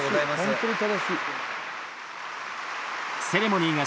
本当に正しい」